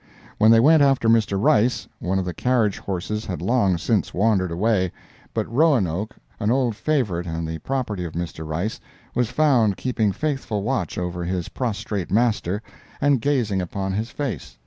When they went after Mr. Rice, one of the carriage horses had long since wandered away; but "Roanoke," an old favorite and the property of Mr. Rice, was found keeping faithful watch over his prostrate master, and gazing upon his face.